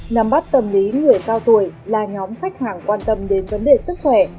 nằm bắt tầm lý người cao tuổi là nhóm khách hàng quan tâm đến vấn đề sức khỏe